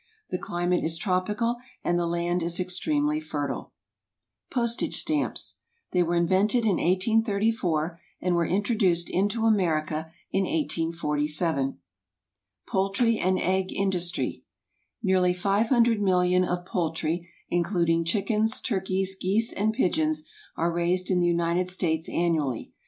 The climate is tropical and the land is extremely fertile. =Postage Stamps.= They were invented in 1834, and were introduced into America in 1847. =Poultry and Egg Industry.= Nearly 500,000,000 of poultry, including chickens, turkeys, geese, and pigeons, are raised in the United States annually.